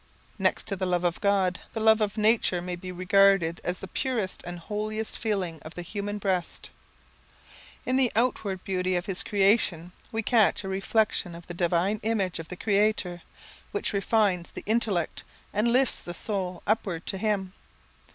Next to the love of God, the love of nature may be regarded as the purest and holiest feeling of the human breast. In the outward beauty of his creation, we catch a reflection of the divine image of the Creator, which refines the intellect, and lifts the soul upward to Him.